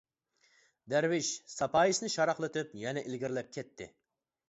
دەرۋىش ساپايىسىنى شاراقلىتىپ، يەنە ئىلگىرىلەپ كەتتى.